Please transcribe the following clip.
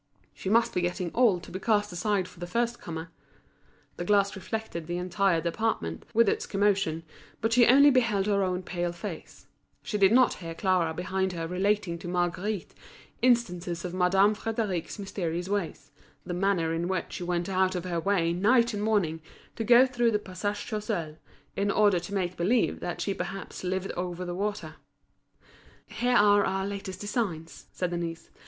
She must be getting old to be cast aside for the first comer. The glass reflected the entire department with its commotion, but she only beheld her own pale face; she did not hear Clara behind her relating to Marguerite instances of Madame Frédéric's mysterious ways, the manner in which she went out of her way night and morning to go through the Passage Choiseul, in order to make believe that she perhaps lived over the water. "Here are our latest designs," said Denise.